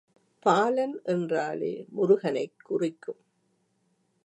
பாலன் என்றாலே முருகனைக் குறிக்கும்.